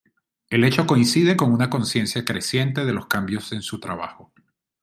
El hecho coincide con una conciencia creciente de los cambios en su trabajo.